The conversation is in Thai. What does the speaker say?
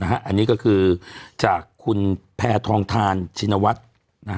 อันนี้ก็คือจากคุณแพทองทานชินวัฒน์